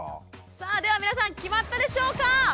さあでは皆さん決まったでしょうか？